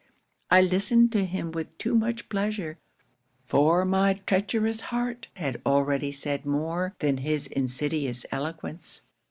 I listened to him with too much pleasure; for my treacherous heart had already said more than his insidious eloquence.